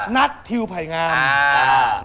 นัททิวไผ่งามอ่า